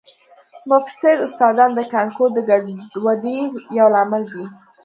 مفسد استادان د کانکور د ګډوډۍ یو لامل دي